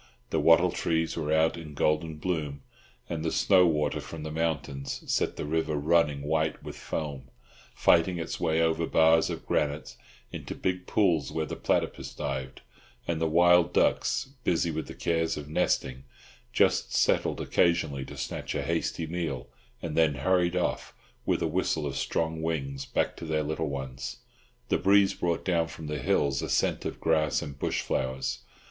The wattle trees were out in golden bloom, and the snow water from the mountains set the river running white with foam, fighting its way over bars of granite into big pools where the platypus dived, and the wild ducks—busy with the cares of nesting—just settled occasionally to snatch a hasty meal and then hurried off, with a whistle of strong wings, back to their little ones. The breeze brought down from the hills a scent of grass and bush flowers.